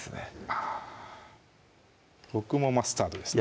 あ僕もマスタードですね